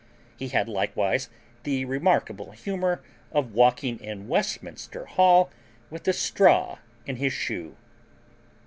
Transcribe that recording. He had likewise the remarkable humour of walking in Westminster hall with a straw in his shoe.